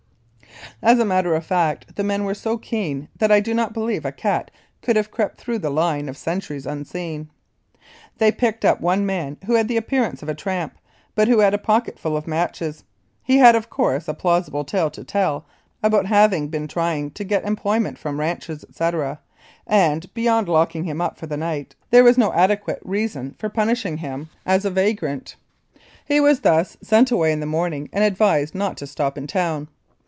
As a matter of fact, the men were so keen that I do not believe a cat could have crept through the line of sentries unseen. They picked up one man who had the appearance of a tramp, but who had a pocketful of matches. He had, of course, a plausible tale to tell about having been trying to get employment from ranchers, etc., and, beyond locking him up for the night, there was no adequate reason for punishing him c 25 Mounted Police Life in Canada as a vagrant. He was thus sent away in the morning and advised not to stop in town.